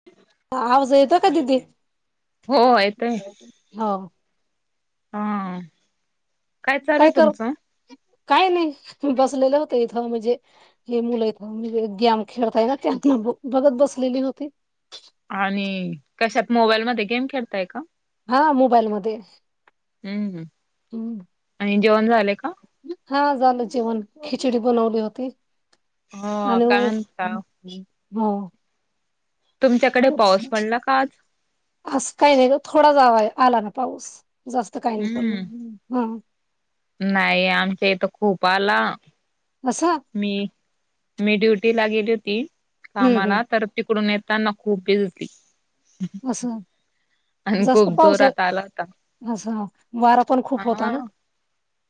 ह [unintelligible] [inaudible] आवाज येतो का दिदी. हो येतय [inaudible] होा हा काय चालू आहे. तुमचं काय नाही बसलेले होत इथं म्हणजे हे मुलं आहेत म्हणजे, गॅम खेळताय का? त्यांना बघत बसलेली होती. आणि कशात मोबाईल मध्ये गेम खेळताय का? हा मोबाईल मध्ये हम्म हम्म आणि जेवण झालेय का? हा झालं जेवण खिचडी बनवली होती. हो हॅलो काय म्हणता हा तुमच्याकडे पाऊस पडला का आज अस काही नाही थोडा जावा आला ना पाऊस जास्त काही नाही पड हम्म ह नाही आमच्या इथं खूप आला असं मी मी ड्युटीला गेली होती, हम्म कामाला हम्म तर तिकडून येताना खूप भिजली. असं आणि खूप जास्त पाऊस आहे, जोरात आला होता असं वारा पण खूप होता हा ना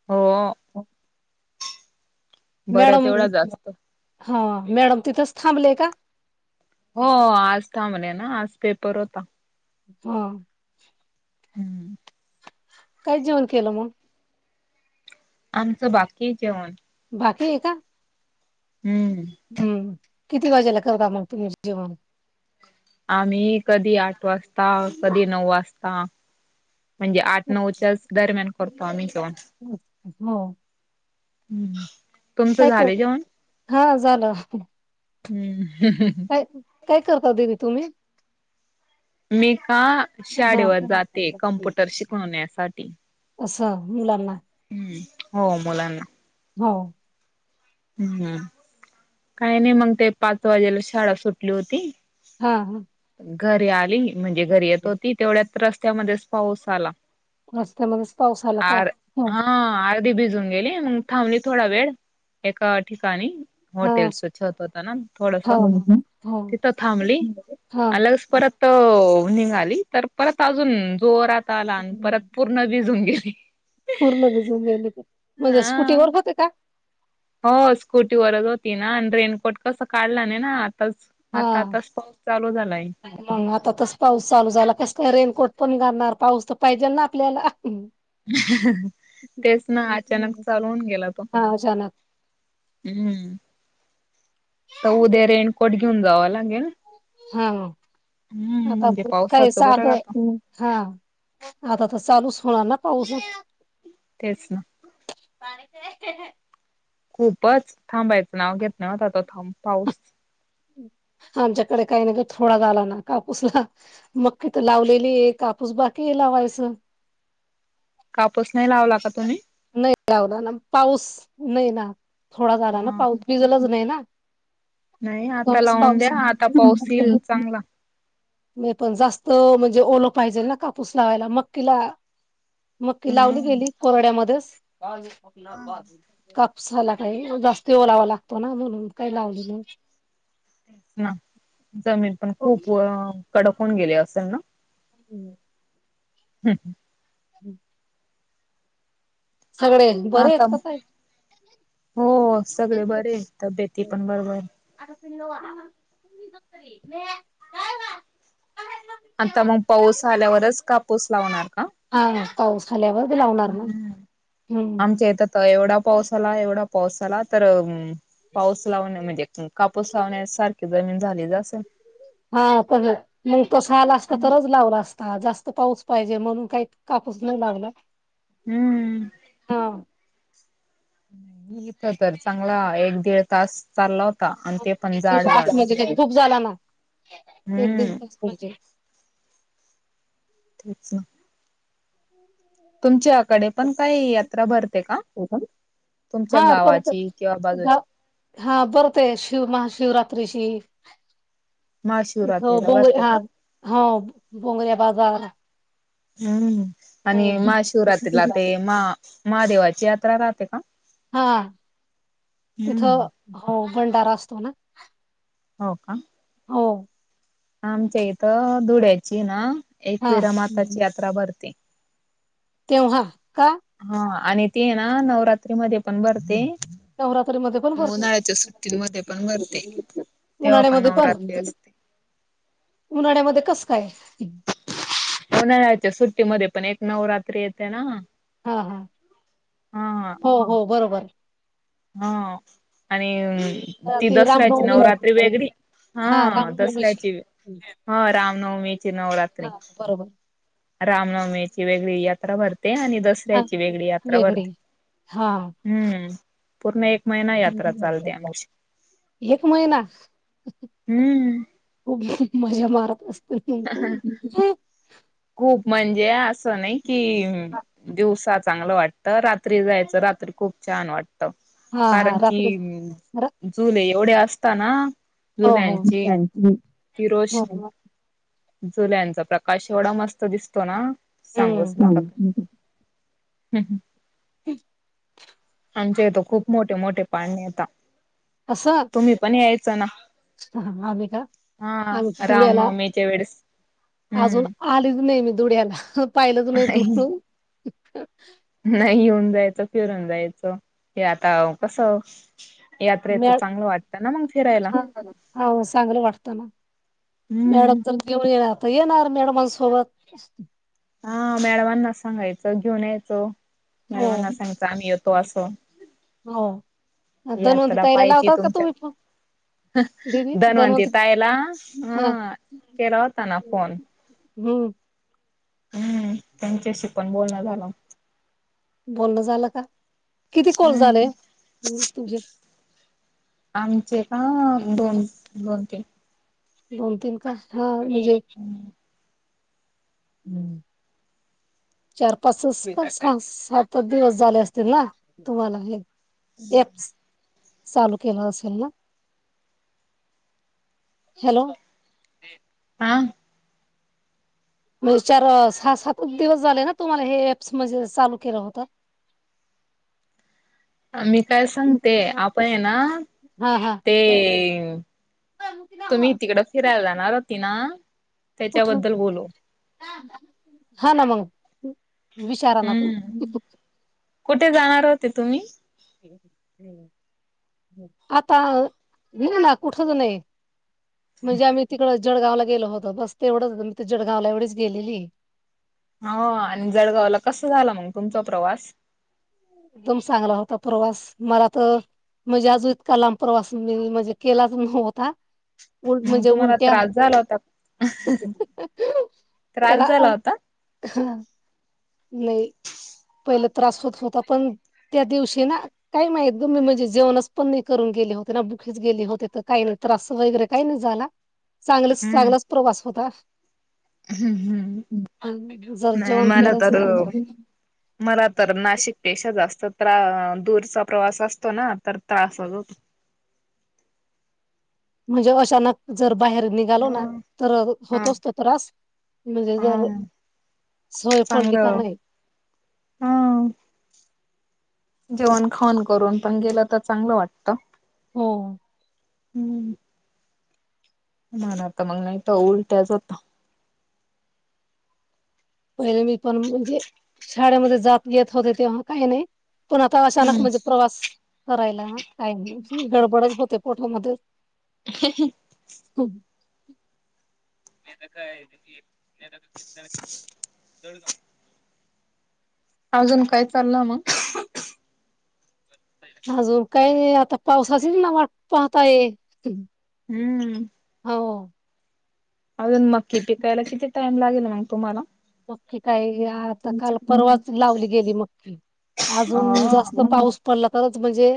हो बरं मॅडम तेवढा जास्त हा मॅडम तिथंच थांबले का? हो आज थांबले ना, आज पेपर होता. हा हम्म [unintelligible] [inaudible] काही जेवण केलं मग आमचं बाकी जेवण. बाकी आहे का? हम्म. हम्म, किती वाजेला करता मग तुम्ही जेवण. आम्ही कधी आठ वाजता, कधी नऊ वाजता. म्हणजे आठ, नऊच्याच दरम्यान करतो आम्ही घेऊन. हो. हम्म. तुमचं काय झालं करते? जेवण हा झालं. हम्म, हम्म-हम्म-हम्म काय, काय करता दिदी तुम्ही? मी का हा शाळेवर जाते, कंम्प्युटर शिकवण्यासाठी. असं मुलांना. हम्म, हो मुलांना. हो. हम्म, काही नाही मग ते पाच वाजेला शाळा सुटली होती. हा-हा घरी आली, म्हणजे घरी येत होती, तेवढ्यात रस्त्यामध्येच पाऊस आला. रस्त्यामध्येच पाऊस आला का? आर ह. हा, अर्धी भिजून गेली, मग थांबली थोडा वेळ. एका ठिकाणी. हा होटेलच छत होत ना हो थोडसं, हो तिथं थांबली, हा आणि अलगच परत. तो निंगाली, तर परत अजून जोरात आला आणि परत पूर्ण भिजून गेली. पूर्ण भिजून गेली तर म्हणजे स्कूटी हा वर होते का? हो, स्कूटीवररच होती ना, आणि रेनकोट कसं काढला नाही, ना आताच. हा आता-आताच पाऊस चालू झालाय. मग आता तच पाऊस चालू झाला, कस काय रेनकोट पण घालणार पाऊस तर पाहिजे ना आपल्याला. हा-हा, तेच ना अचानक चालू होवून गेला तो. हा अचानक. हम्म, तर उद्या रेनकोट घेऊन जावाव लागेल. हा, हम्म आता म्हणजे ग्रुप काय पावसाचं साध, बरं राहतं हा. आता-आता चालूच होणार ना पाऊस. तेच ना. पाणी दे. खूपच, थांबायचं नाव घेत नव्हता, तो थां पाऊस. आमच्याकडे काही नाही, थोडा झाला ना कापूसला. मक्की तर लावलेली आहे, कापूस बाकी हे लावायचं. कापूस नाही लावला का तुम्ही? नाही लावला ना, पाऊस नाही ना, थोडा झाला ना हा पाऊस, भिजलाच नाही ना. नाही आता, कमीच लावून पाऊस द्या आता पाऊस येईल चांगला. मी पण जास्त, म्हणजे ओलं पाहिजे ना, कापूस लावायला मक्कीला. मक्की लावली हम्म. गेली, कोरड्या मध्येच. कापसाला काही जास्त ओलावा लागतो ना म्हणून काही लावलं. ना, जमीन पण खूप कडक होवून गेली असेल ना. हम्म हम् ह हम् सगळे बरे आता, आहेत का ताई? हो सगळे बरे तब्येत पण बरोबर आहे [inaudible] आता मग पाऊस आल्यावरच कापूस लावणार? हा पाऊस झाल्यावर लावणार ना हम्म. हम्म आमच्या इथ एवढा पाऊस आला एवढा पाऊस आला तर पाऊस लावून म्हणजे कापूस लावण्यासारखी जमीन झाली ज असेल हा तस मग तस आला असत हम्म. तरच लावला असत जास्त पाऊस पाहिजे म्हणून काही कापूस नाही लागला हम्म हा इथ तर चांगला एक दीड तास चालला होता आणि ते पण जाड दिवस जाड. म्हज खूप झाला ना एक हम्म दिवसास म्हजे ठीक आहे ह तुमच्याकडे पण काही यात्रा भरते का? तुमच्या हा परत गावाची किंवा बाजूची हा भरंते शिव महाशिवरात्रीची तिथ [inaudible] महाशिवरात्रीला बोंग भरते हा का? हो बोंगर्या बाजार हम्म आणि हम्म महाशिवरात्रीला ते म महादेवाची यात्रा राहते का? हा हम्म. तिथं भंडारा असतो ना हो का? हो आमच्या इथं धुळ्याची ना एक हा विरामाताची यात्रा भरते तेव्हा का? हा आणि ते ना नवरात्री मध्ये पण भरते नवरात्री मध्ये पण करतो उन्हाळ्याच्या सुट्टींमध्ये पण भरते. तेव्हा उन्हाळ्या मध्ये पण नवरात्री असते. उन्हाळ्यामध्ये कस काय? हो नाही रायच्या सुट्टीमध्येध्ये पण एक नवरात्री येते ना हा हा, हा हो हो बरोबर हा आणि ती दसऱ्याची नवरात्री वेगळी हा दसऱ्याची, हा रामनवमीची नवरात्री हा बरोबर रामनवमीची वेगळी यात्रा भरते आणि हा दसऱ्याची वेगळी यात्रा भरते वेगळी हा हम्म पूर्ण एक महिना यात्रा चालते आमची एक महिना हम्म खूप खूप मजा मारत असत त खूप म्हणजे असं नाही कि दिवसात चांगलं वाटत रात्री जायचं रात्री खूप छान वाटत हा हा कारण कि रात्री जुले एवढे असत ना हो हो जुल्याची ती रोष हो [unintelligible] जुल्यांचा प्रकाश एवढा मस्त दिसतो ना सांगूच हम्म नका आमच्या इथ खूप मोठे मोठे पाळणे येता. अस तुम्ही पण यायचं ना. आम्ही का. हा आम्ही धुळ्याला रामनवमीच्या वेळेस अजून हम्म आलीच नाही मी धुळ्याला. पाहिलं च नाही धुळ. नाही येऊन जायचं फिरून जायचं. हे आता कस. यात्रेच म चांगलं वाटत ना मग फिरायला. चांगलं वाटतं ना मॅडम हम्म. तर घेऊन येणार तर येणार मॅडमांसोबत. हा मॅडमांना सांगायचं घेऊन यायचं. हो मॅडमांना सांगता आम्ही येतो असं. हो तर मग यात्रा ताईला पाहायची लावता का तुमच्या तुम्ही फोन? धन्वंती [unintelligible] ताईला हा केला होता ना फोन [unintelligible] हम्म. हम्म, त्यांच्याशी पण बोलण झालं. बोलण झालं का? किती कॉल हम्म झाले तुझे? आमचे का दोन दोन तीन. दोन तीन का. हो म्हणजे. [inaudible] चार पाच सात-सा- सात दिवस झाले असतील ना तुम्हाला हे? [unintelligible] चालू केलं असेल ना? हॅलो. हा. म्हणजे चार सहा सात च दिवस झाले ना? तुम्हाला हे ऍप्स म्हणजे चालू केलं होत. [inaudible] मी काय सांगते, आपण हे ना हा हा ते. तुम्ही तिकडं फिरायला जाणार होती ना, कुठं त्याच्याबद्दल बोलू. हा ना मग. विचारा ना तू. हम्म कुठे जाणार होते तुम्ही? आता हे ना कुठच नाही. म्हणजे आम्ही तिकडं जळगावला गेलो होतो. बस तेवढंच मी जळगावला एवढीच गेलेली. हा आणि जळगावला कसं झालं मग तुमचा प्रवास? एकदम चांगला होता प्रवास. मला तर, म्हणजे आजून इतका लांब प्रवास मी म्हणजे केलाच नव्हता. उल मग म्हणजे तुम्हाला उलट्या त्रास झाला होता. त्रास झाला होता. हा. नाही. पहिलं त्रास होत होता. पण त्या दिवशी ना. काय माहीत, तुम्ही म्हणजे जेवणच पण नाही करून गेले होते ना भुकेच गेले होते तर काही नाही. त्रास वगैरे काही नाही झाला. चांगल हम्म चांगलाच प्रवास होता. हम्म हम् जर नाही जेवण मला केलंच तर. नाही मला तर नाशिकपेक्षा जास्त त्र दूरचा प्रवास असतो ना तर त्रासच होतो. म्हणजे अचानक जर बाहेर निघ. निघालो ना, हम्म तर हा होतच तो त्रास म्हणजे हा जर, सोय पडली का चांगलं नाही? जेवून खाऊन करून पण गेलं तर चांगलं वाटत. हो हम्म मला तर मग नाही तर उलट्याच होता. पहिले मी पण म्हणजे शाळेमध्ये जात येत होते तेव्हा काही नाही. पण आता अचानक हम्म म्हणजे प्रवास करायला काय नाही गडबडच होते पोटामध्ये. ह हं ते कस आहे की, [inaudible] अजून काय चाललं मग. अजून काय नाही आता पावसाची ना वाट पाहत आहे. हम्म हो अजून मक्की पिकायला किती टाइम लागेल मग तुम्हाला? मक्की काही या आता तुमच काल परवाच लावली गेली मक्की. अ अजून जास्त पाऊस पडला तरच म्हणजे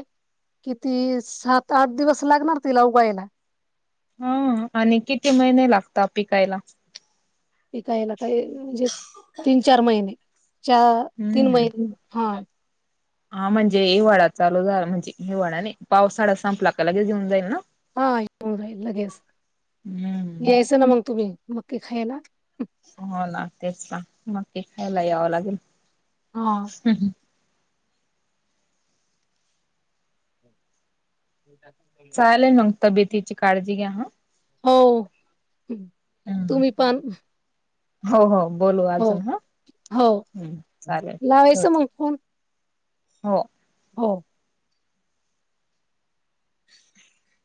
किती सात -आठ दिवस लागणार तिला उगवायला. हम्म आणि किती महिने लागतात पिकायला? पिकायला काही म्हणजे तीन - चार महिने चा तीन हम्म महिने हा हा म्हणजे हिवाळा चालू झाला म्हणजे हिवाळा नाही पावसाळा संपला का लगेच येऊन जाईल ना... हा येऊन राहील लगेच हम्म यायचं ना... मग तुम्ही मक्की खायला. हो ना तेच ना... मक्की खायला यावं लागेल. हा हम् [inaudible] चालेल मग तब्येतीची काळजी घ्या हं. हो, हम्म... हम्म. तुम्ही पण... हो हो बोलू हो अजून हा हो हम् चालेल लावायचं ठेवते. मग फोन हो हो [inaudible]